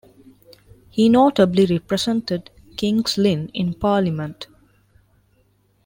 He notably represented King's Lynn in Parliament.